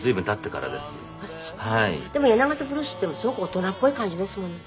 でも『柳ヶ瀬ブルース』っていうのもすごく大人っぽい感じですものね。